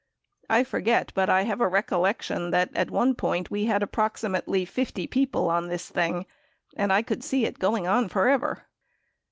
I forget, but I have a recollection that at one point we had ap proximately 50 people on this thing; and I could see it going on forever."